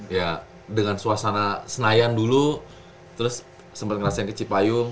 ya dengan suasana senayan dulu terus sempat ngenas yang ke cipayung